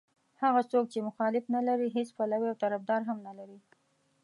هغه څوک چې مخالف نه لري هېڅ پلوی او طرفدار هم نه لري.